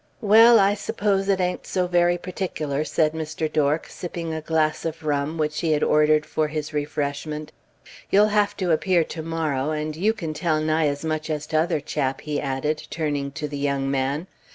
"Well, I suppose it a'n't so very particklar," said Mr. Dork, sipping a glass of rum, which he had ordered for his refreshment. "You'll have to appear to morrow, and you can tell nigh as much as t' other chap," he added, turning to the young man.